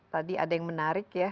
tadi ada yang menarik ya